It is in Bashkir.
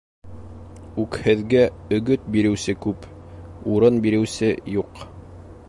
Үкһеҙгә өгөт биреүсе күп, урын биреүсе юҡ.